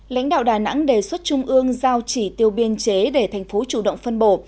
lãnh đạo đà nẵng đề xuất trung ương giao chỉ tiêu biên chế để thành phố chủ động phân bổ